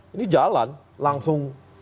ini jalan langsung